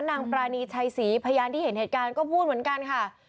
ปรานีชัยศรีพยานที่เห็นเหตุการณ์ก็พูดเหมือนกันค่ะ